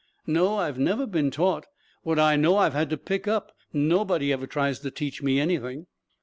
"No. I've never been taught. What I know I've had to pick up. Nobody ever tries to teach me anything."